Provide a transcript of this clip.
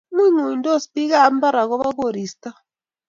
Ngunyngunydos biikap imbar agoba koristo